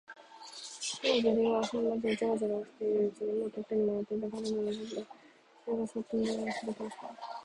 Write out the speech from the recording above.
まだ砂利が彼の足もとにざらざら落ちているうちに、もうてっぺんに登っていた。彼が旗を打ち立てると、風がその布をふくらませた。